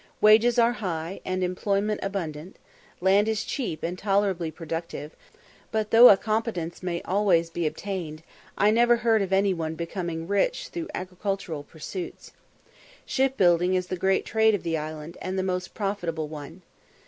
Wages are high, and employment abundant; land is cheap and tolerably productive; but though a competence may always be obtained, I never heard of any one becoming rich through agricultural pursuits. Shipbuilding is the great trade of the island, and the most profitable one.